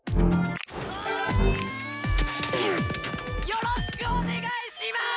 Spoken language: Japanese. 「よろしくお願いします！」。